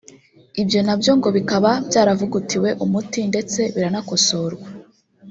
ibyo na byo ngo bikaba byaravugutiwe Umuti ndetse biranakosorwa